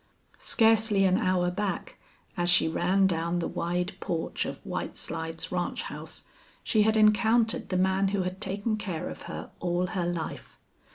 Scarcely an hour back, as she ran down the Wide porch of White Slides ranch house, she had encountered the man who had taken care of her all her life.